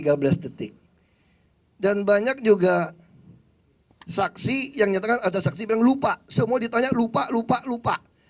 gede dan banyak juga saksi yang nyatakan ada saksi penglupa semua ditanya lupa lupa lupa